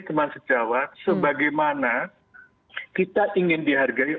teman sejawat sebagaimana kita ingin dihargai